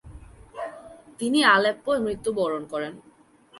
তিনি আলেপ্পোয় মৃত্যুবরণ করেন।